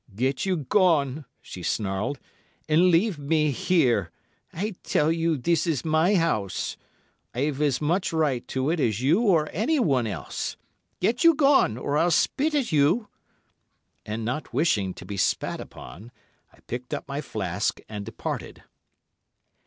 "Get you gone," she snarled, "and leave me here. I tell you this is my house. I've as much right to it as you or anyone else. Get you gone, or I'll spit at you." And not wishing to be spat upon, I picked up my flask and departed.